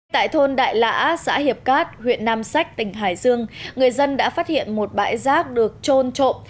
tại thôn đại lã xã hiệp cát huyện nam sách tỉnh hải dương người dân đã phát hiện một bãi rác được trôn trộm